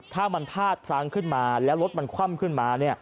ถ้ามันพลาดพลั้งขึ้นมาแล้วรถมันคว่ำขึ้นมา